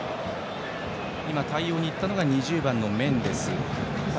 対応に行ったのが２０番のメンデス。